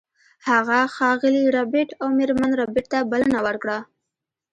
هغه ښاغلي ربیټ او میرمن ربیټ ته بلنه ورکړه